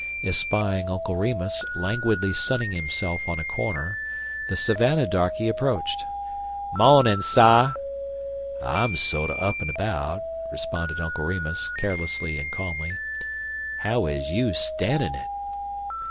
Espying Uncle Remus languidly sunning himself on a corner, the Savannah darkey approached. "Mornin', sah." "I'm sorter up an' about," responded Uncle Remus, carelessly and calmly. "How is you stannin' it?"